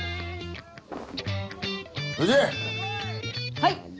はい！